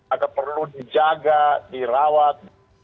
agak perlu dijaga dirawat